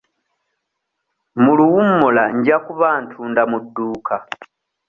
Mu luwummula nja kuba ntunda mu dduuka.